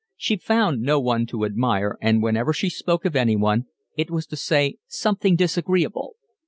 She found no one to admire, and whenever she spoke of anyone it was to say something disagreeable.